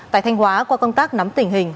tại thanh hóa qua công tác nắm tình hình